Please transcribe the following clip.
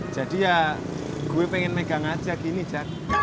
jadi ya gue pengen megang aja gini jack